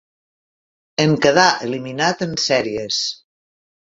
En quedà eliminat en sèries.